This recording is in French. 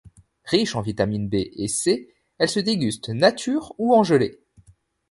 Riches en vitamine B et C, elles se dégustent nature ou en gelée.